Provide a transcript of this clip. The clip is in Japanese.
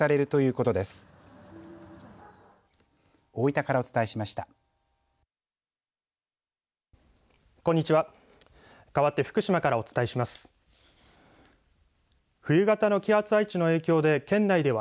こんにちは。